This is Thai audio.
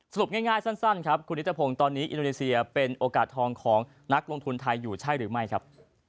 ง่ายสั้นครับคุณนิทพงศ์ตอนนี้อินโดนีเซียเป็นโอกาสทองของนักลงทุนไทยอยู่ใช่หรือไม่ครับ